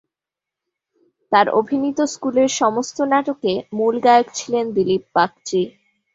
তার অভিনীত স্কুলের সমস্ত নাটকে মূল গায়ক ছিলেন দিলীপ বাগচী।